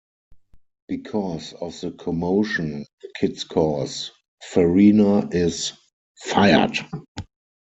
Because of the commotion the kids cause, Farina is fired.